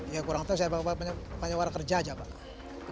ya kurang tahu saya bawa penyewara kerja saja pak